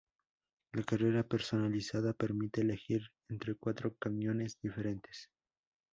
La carrera personalizada permite elegir entre cuatro camiones diferentes.